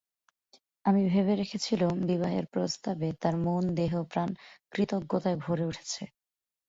আমি ভেবে রেখেছিলুম, বিবাহের প্রস্তাবে তার দেহ মন প্রাণ কৃতজ্ঞতায় ভরে উঠেছে।